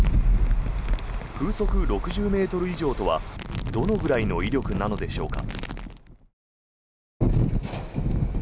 風速６０ｍ以上とはどのくらいの威力なのでしょうか。